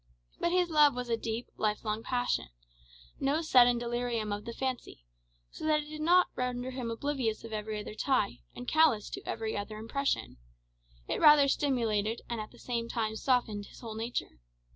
But his love was a deep, life long passion no sudden delirium of the fancy so that it did not render him oblivious of every other tie, and callous to every other impression; it rather stimulated, and at the same time softened his whole nature.